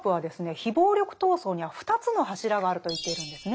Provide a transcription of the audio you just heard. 非暴力闘争には２つの柱があると言っているんですね。